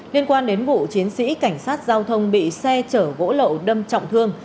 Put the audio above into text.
liên quan đến vụ chiến sĩ cảnh sát giao thông bị xe chở vỗ lộ đâm trọng thương